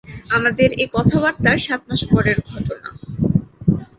আমাদের এ কথাবার্তার সাত মাস পরের ঘটনা।